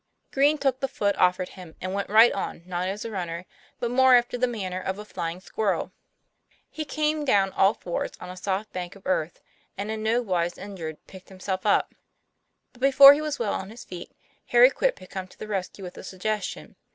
Green took the foot offered him, and went right on, not as a runner, but more after the manner of a fly ing squirrel. He came down all fours on a soft bank of earth, and in no wise injured picked himself up. But before he was well on his feet, Harry Quip had come to the rescue with a suggestion.